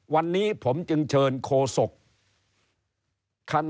วันนี้ผมจึงเชิญโคศก